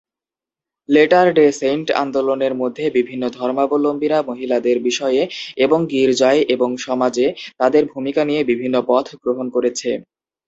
Letter Day Saint আন্দোলনের মধ্যে বিভিন্ন ধর্মাবলম্বীরা মহিলাদের বিষয়ে এবং গির্জায় এবং সমাজে তাদের ভূমিকা নিয়ে বিভিন্ন পথ গ্রহণ করেছে।